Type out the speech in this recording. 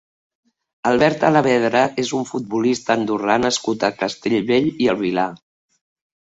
Albert Alavedra és un futbolista andorrà nascut a Castellbell i el Vilar.